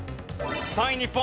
３位日本。